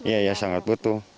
iya sangat butuh